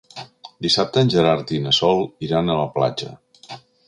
Dissabte en Gerard i na Sol iran a la platja.